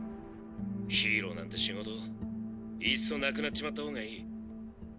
ヒーローなんて仕事いっそ無くなっちまった方がいい。